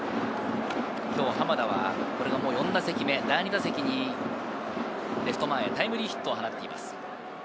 今日、濱田は４打席目、第２打席にレフト前タイムリーヒットを放っています。